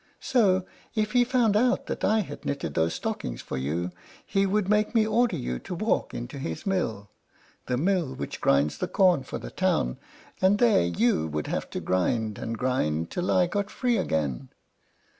So, if he found out that I had knitted these stockings for you, he would make me order you to walk into his mill, the mill which grinds the corn for the town; and there you would have to grind and grind till I got free again."